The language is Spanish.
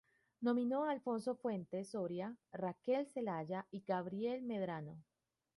Nominó a Alfonso Fuentes Soria, Raquel Zelaya y Gabriel Medrano.